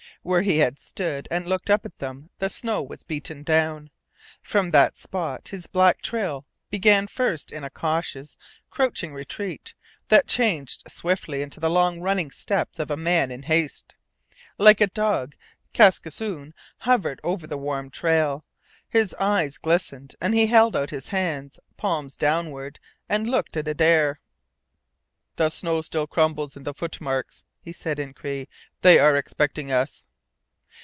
Where he had stood and looked up at them the snow was beaten down; from that spot his back trail began first in a cautious, crouching retreat that changed swiftly into the long running steps of a man in haste. Like a dog, Kaskisoon hovered over the warm trail. His eyes glittered, and he held out his hands, palms downward, and looked at Adare. "The snow still crumbles in the footmarks," he said in Cree. "They are expecting us."